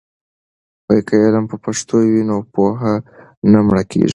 که علم په پښتو وي نو پوهه نه مړکېږي.